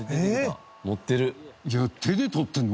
いや手でとってるの？